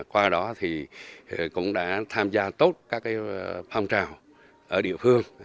qua đó thì cũng đã tham gia tốt các phong trào ở địa phương